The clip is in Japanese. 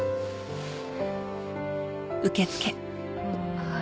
ああ